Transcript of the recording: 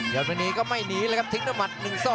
อดมณีก็ไม่หนีเลยครับทิ้งด้วยหมัด๑๒